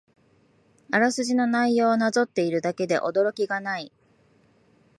あらすじの内容をなぞっているだけで驚きがない